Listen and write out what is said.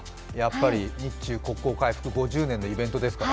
日中国交回復５０周年のイベントですからね。